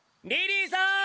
リリーさん